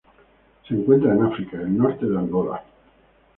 Se encuentran en África: el norte de Angola.